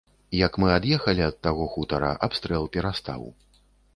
Як мы ад'ехалі ад таго хутара, абстрэл перастаў.